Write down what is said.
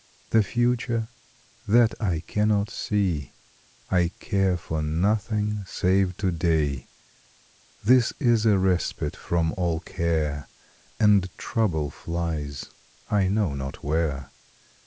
The future that I cannot see! I care for nothing save to day This is a respite from all care, And trouble flies I know not where.